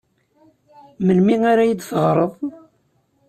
Melmi ara iyi-d-teɣreḍ?